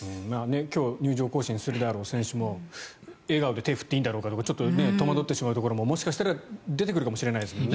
今日入場行進するであろう選手も笑顔で手を振っていいのか戸惑ってしまうところももしかしたら出てくるかもしれないですもんね。